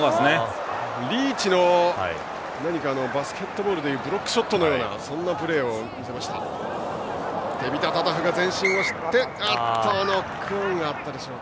リーチのバスケットボールでいうブロックショットのようなそんなプレーでした。